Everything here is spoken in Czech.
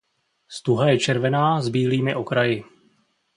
Stuha je červená s bílými okraji.